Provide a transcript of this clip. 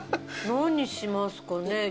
何しますかね？